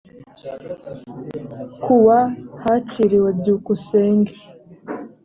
ku wa hakiriwe byukusenge